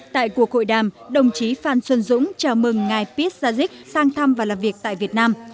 tại cuộc hội đàm đồng chí phan xuân dũng chào mừng ngài pít gia dích sang thăm và làm việc tại việt nam